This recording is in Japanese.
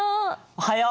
おはよう。